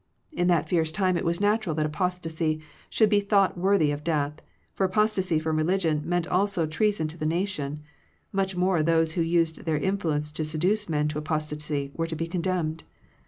In that fierce time it was natural that apostasy should be thought worthy of death; for apostasy from religion meant also treason to the nation: much more those who used their influence to seduce men to apostasy were to be condemned.